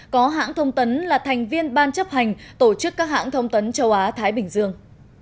có hãng thông tấn là thành viên ban chấp hành tổ chức các hãng thông tấn châu á thái bình dương